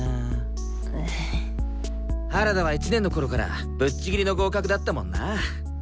原田は１年のころからぶっちぎりの合格だったもんなぁ。